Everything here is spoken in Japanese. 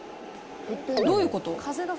どういうこと？